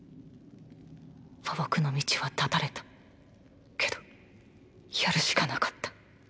和睦の道は断たれたけどやるしかなかった。